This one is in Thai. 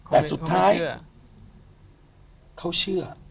แต่สุดท้ายเขาเชื่อ